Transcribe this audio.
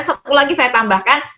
satu lagi saya tambahkan